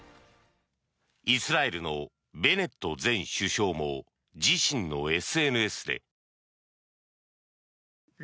イスラエルのベネット元首相も自身のＳＮＳで。